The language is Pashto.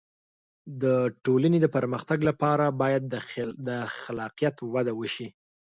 د ټولنې د پرمختګ لپاره باید د خلاقیت وده وشي.